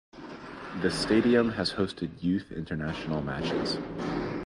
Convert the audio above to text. The stadium has hosted youth international matches.